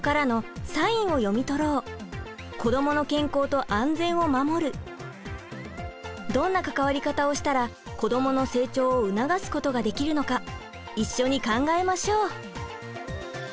さあ今日の３つのポイントはどんな関わり方をしたら子どもの成長を促すことができるのか一緒に考えましょう！